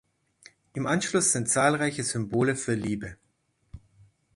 Im Anschluss sind zahlreiche Symbole für Liebe.